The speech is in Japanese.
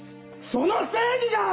その正義が！